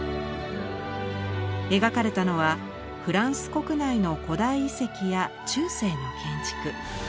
描かれたのはフランス国内の古代遺跡や中世の建築。